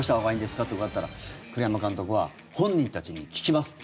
って伺ったら栗山監督は本人たちに聞きますって。